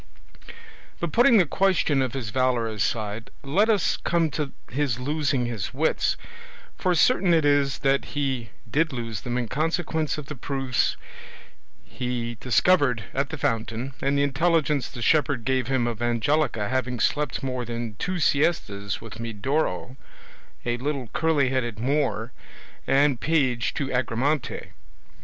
But putting the question of his valour aside, let us come to his losing his wits, for certain it is that he did lose them in consequence of the proofs he discovered at the fountain, and the intelligence the shepherd gave him of Angelica having slept more than two siestas with Medoro, a little curly headed Moor, and page to Agramante.